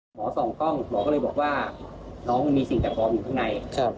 หมอส่องกล้องหมอก็เลยบอกว่าน้องมันมีสิ่งแปลกปลอมอยู่ข้างใน